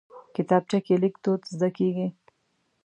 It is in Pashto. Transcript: کتابچه کې لیک دود زده کېږي